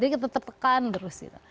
jadi kita tetep tekan terus